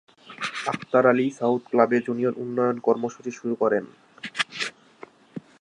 Akhtar Ali South ক্লাবে junior উন্নয়ন কর্মসূচি শুরু করেন।